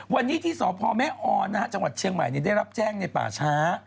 วันนี้ที่สอบพอร์แม่ออนนะฮะจังหวัดเชียงใหม่เนี้ยได้รับแจ้งในป่าช้า